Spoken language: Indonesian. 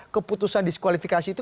keputusan diskualifikasi itu